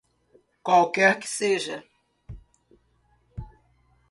Qualquer que seja.